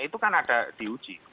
itu kan ada diuji